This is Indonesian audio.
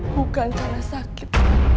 bukan karena sakit